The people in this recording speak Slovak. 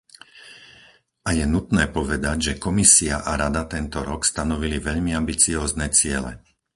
A je nutné povedať, že Komisia a Rada tento rok stanovili veľmi ambiciózne ciele.